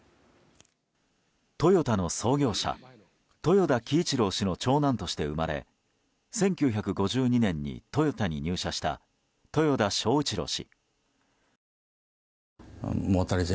トヨタの創業者豊田喜一郎氏の長男として生まれ１９５２年にトヨタに入社した豊田章一郎氏。